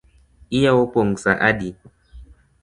Iyawo pong’ sa adi?